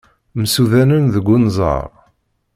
Msudanen deg unẓar.